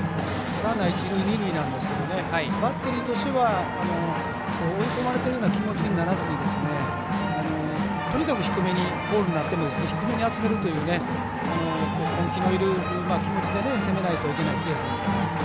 ランナー一塁二塁なんですがバッテリーとしては追い込まれているような気持ちにならずにとにかく低めにボールになっても低めに集めるという根気のいる気持ちで攻めないといけないケースですから。